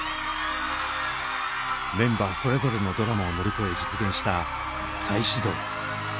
メンバーそれぞれのドラマを乗り越え実現した再始動。